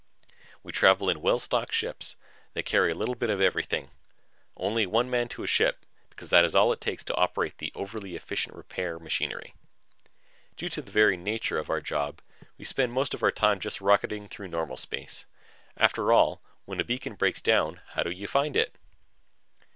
We travel in well stocked ships that carry a little bit of everything; only one man to a ship because that is all it takes to operate the overly efficient repair machinery. Due to the very nature of our job, we spend most of our time just rocketing through normal space. After all, when a beacon breaks down, how do you find it?